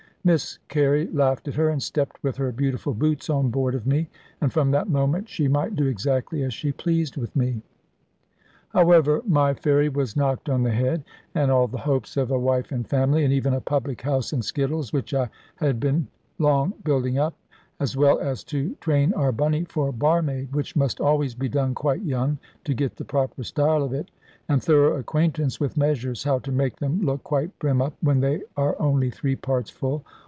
Miss Carey laughed at her, and stepped with her beautiful boots on board of me; and from that moment she might do exactly as she pleased with me. However my ferry was knocked on the head; and all the hopes of a wife and family, and even a public house and skittles, which I had long been building up, as well as to train our Bunny for barmaid; which must always be done quite young, to get the proper style of it, and thorough acquaintance with measures, how to make them look quite brim up when they are only three parts full.